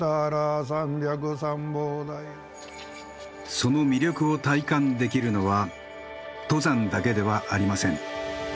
その魅力を体感できるのは登山だけではありません。